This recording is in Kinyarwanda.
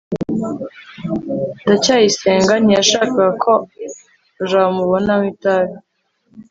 ndacyayisenga ntiyashakaga ko jabo amubona anywa itabi